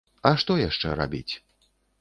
А што яшчэ рабіць?